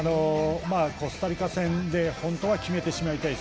コスタリカ戦で本当は決めてしまいたい。